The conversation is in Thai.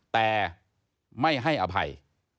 แต่ไม่ให้อภัย